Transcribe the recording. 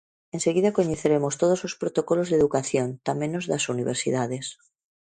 Enseguida coñeceremos todos os protocolos de educación, tamén os das universidades.